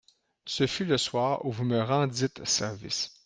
Ce fut le soir où vous me rendîtes service.